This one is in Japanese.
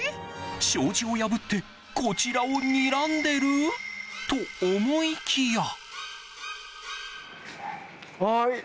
障子を破ってこちらをにらんでる？と、思いきや。